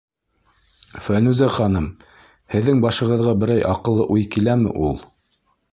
Фәнүзә ханым, һеҙҙең башығыҙға берәй аҡыллы уй киләме ул?